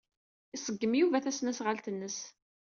Iṣeggem Yuba tasnasɣalt-nnes.